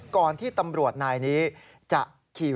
ก่อนที่ตำรวจนายนี้จะขี้รถจักรยันต์ยนต์